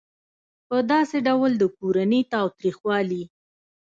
په داسې ډول د کورني تاوتریخوالي